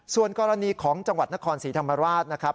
ส่วนกรณีของจังหวัดนครศรีธรรมราชนะครับ